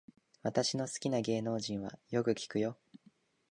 私の好きな芸能人はよく聞くよ